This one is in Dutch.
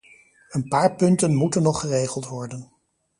Een paar punten moeten nog geregeld worden.